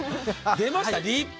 出ました、立派。